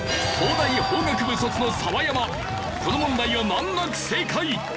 この問題をなんなく正解。